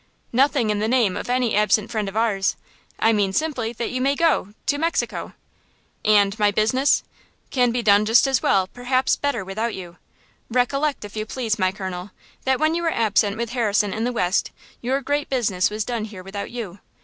"Nothing in the name of any absent friend of ours. I mean simply that you may go to–Mexico!" "And–my business–" "–Can be done just as well, perhaps better, without you. Recollect, if you please, my colonel, that when you were absent with Harrison in the West your great business was done here without you!